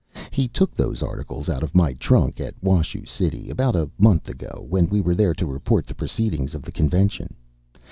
He took those articles out of my trunk, at Washoe City, about a month ago, when we went there to report the proceedings of the convention.